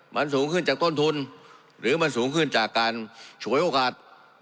มันสูงขึ้นจากต้นทุนหรือมันสูงขึ้นจากการฉวยโอกาส